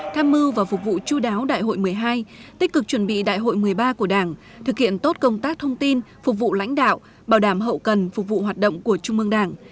tham mưu và phục vụ chú đáo đại hội một mươi hai tích cực chuẩn bị đại hội một mươi ba của đảng thực hiện tốt công tác thông tin phục vụ lãnh đạo bảo đảm hậu cần phục vụ hoạt động của trung mương đảng